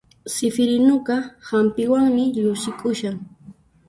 Sifirinuqa hampiwanmi llusikushan